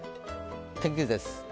天気図です。